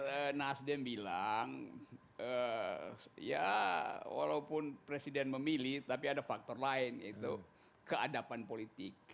kalau nasdem bilang ya walaupun presiden memilih tapi ada faktor lain itu keadapan politik